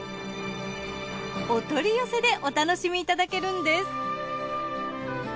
お取り寄せでお楽しみいただけるんです。